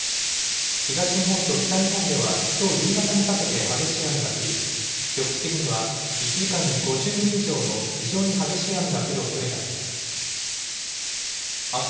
東日本と北日本ではきょう夕方にかけて激しい雨が降り、局地的には１時間に５０ミリ以上の非常に激しい雨が降るおそれがあります。